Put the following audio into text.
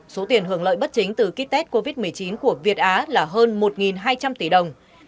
số tiền hưởng lợi bất chính từ kích tết covid một mươi chín của việt á là hơn một hai trăm linh tỷ đồng